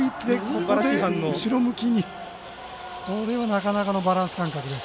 これはなかなかのバランス感覚です。